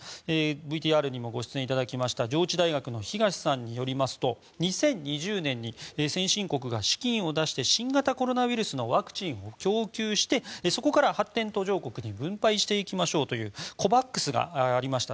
ＶＴＲにもご出演いただきました上智大学の東さんによりますと２０２０年に先進国が資金を出して新型コロナウイルスのワクチンを供給してそこから発展途上国に分配していきましょうというＣＯＶＡＸがありました。